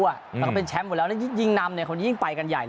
แล้วก็เป็นแชมป์หมดแล้วแล้วยิ่งนำคนยิ่งไปกันใหญ่เลย